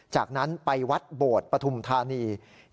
จากนั้นไปวัดโบดปฐุมธานี